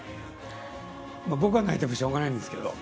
僕が泣いてもしょうがないんですけど。